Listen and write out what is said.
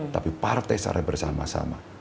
tapi partai secara bersama sama